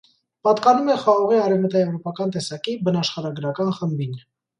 Պատկանում է խաղողի արևմտաեվրոպական տեսակի բնաշխարհագրական խմբին։